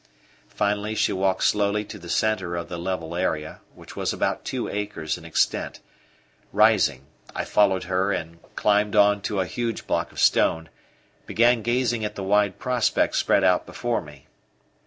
Finally she walked slowly to the centre of the level area, which was about two acres in extent; rising, I followed her and, climbing on to a huge block of stone, began gazing at the wide prospect spread out before me.